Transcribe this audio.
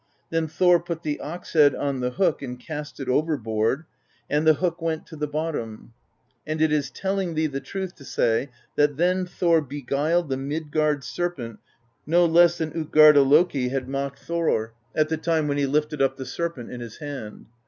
Then Thor put the ox head on the hook and cast it overboard, and the hook went to the bottom; and it is telling thee the truth to say that then Thor beguiled the Midgard Serpent no less than tJtgarda Loki had mocked * Heaven bellowing ? 70 PROSE EDDA Thor, at the time when he lifted up the Serpent in his hand.